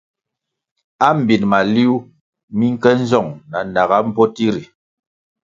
Ambin maliuh mi nke nzong na naga mbpoti ri.